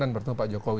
dan bertemu pak jokowi